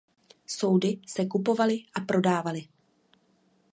Soudy se kupovaly a prodávaly.